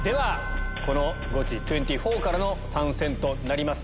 このゴチ２４からの参戦となります